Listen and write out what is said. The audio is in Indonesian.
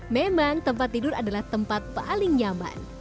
memang tempat tidur adalah tempat paling nyaman